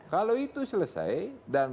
kalau itu selesai dan